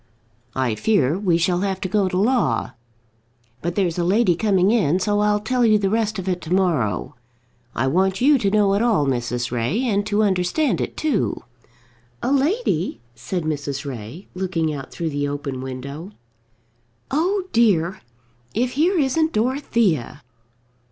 I fear we shall have to go to law. But there's a lady coming in, so I'll tell you the rest of it to morrow. I want you to know it all, Mrs. Ray, and to understand it too." "A lady!" said Mrs. Ray, looking out through the open window. "Oh dear, if here isn't Dorothea!"